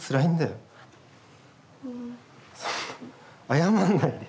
謝んないで！